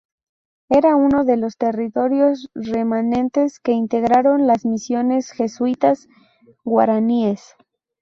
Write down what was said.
Era uno de los territorios remanentes que integraron las misiones jesuíticas guaraníes.